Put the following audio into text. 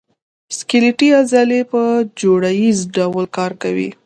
سکلیټي عضلې په جوړه ییز ډول کار کوي.